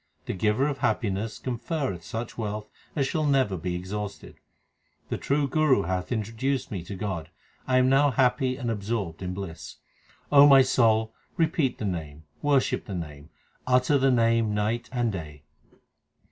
The Giver of happiness conferreth such wealth as shall never be exhausted. The true Guru hath introduced me to God ; I am now happy and absorbed in bliss. O my soul, repeat the Name, worship the Name, utter the Name night and day.